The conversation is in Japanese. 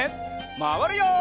まわるよ！